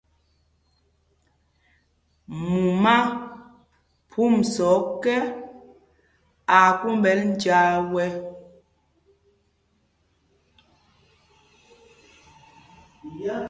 Mumá phɔmsa ɔ́kɛ, aa kwómbɛl njāā wɛ̄.